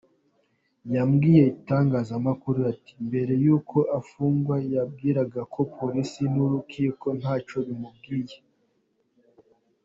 Yabwiye itangazamakuru ati “Mbere y’uko afungwa yambwiraga ko polisi n’urukiko ntacyo bimubwiye”.